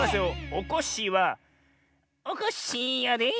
おこっしぃは「おこっしぃやで」。